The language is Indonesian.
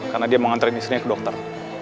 karena dia mau nganterin istrinya ke dokter